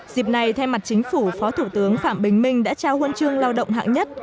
dịp này thay mặt chính phủ phó thủ tướng phạm bình minh đã trao huân chương lao động hạng nhất